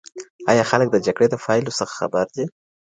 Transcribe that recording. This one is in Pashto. ایا خلک د جګړي د پایلو څخه خبر دي؟